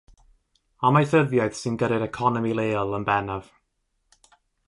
Amaethyddiaeth sy'n gyrru'r economi leol yn bennaf.